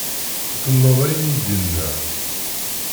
Tumneḍ ayen i d-yenna?